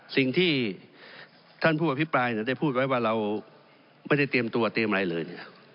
สิ่งที่ท่านผู้อภิปรายได้พูดไว้ว่าเราไม่ได้เตรียมตัวเตรียมอะไรเลย